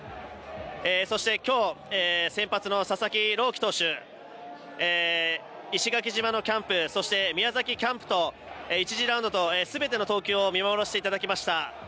そして今日、先発の佐々木朗希投手石垣島のキャンプ、そして宮崎キャンプ１次ラウンドとすべての投球を見守らせていただきました。